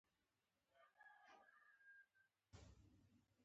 خو خبرې یې درنې او ستړې وې.